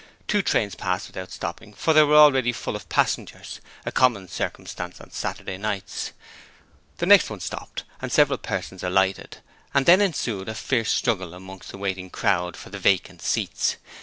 Two trains passed without stopping, for they were already full of passengers, a common circumstance on Saturday nights. The next one stopped, and several persons alighted, and then ensued a fierce struggle amongst the waiting crowd for the vacant seats.